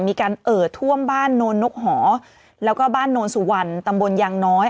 มีการเอ่อท่วมบ้านโนนนกหอแล้วก็บ้านโนนสุวรรณตำบลยางน้อย